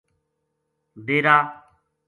ڈیرا